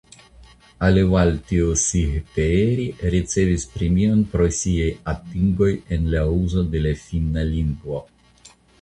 Alivaltiosihteeri ricevis premion pro siaj atingoj en la uzo de la finna lingvo.